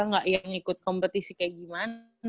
nggak yang ikut kompetisi kayak gimana